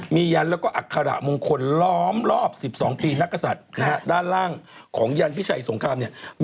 มียันแล้วก็อัคคาระมงคลล้อมรอบ๑๒ปีนักศัตริย์